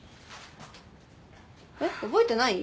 えっ覚えてない？